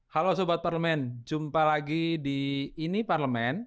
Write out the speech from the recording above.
halo sobat parlemen jumpa lagi di ini parlemen